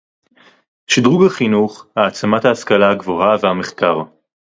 שדרוג החינוך, העצמת ההשכלה הגבוהה והמחקר